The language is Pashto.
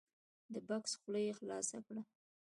د بکس خوله یې خلاصه کړه !